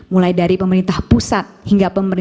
mulai dari pemerintah pusat hingga pemerintah